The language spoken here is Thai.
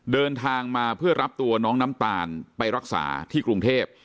เดินทางมาเพื่อรับตัวน้องน้ำตาลไปรักษาที่กรุงเทพ